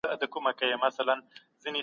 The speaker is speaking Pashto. هر څوک د خپل کار او عمل مسؤل دی.